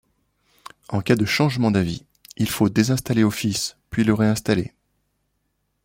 En cas de changement d'avis, il faut désinstaller Office puis le réinstaller.